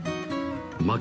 負け